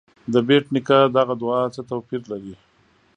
د بېټ نیکه دغه دعا څه توپیر لري.